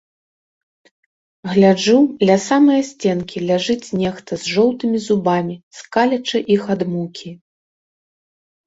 Гляджу, ля самае сценкі ляжыць нехта з жоўтымі зубамі, скалячы іх ад мукі.